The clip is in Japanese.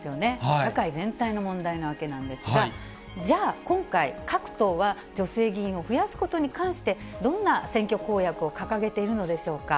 社会全体の問題なわけなんですが、じゃあ、今回、各党は女性議員を増やすことに関して、どんな選挙公約を掲げているのでしょうか。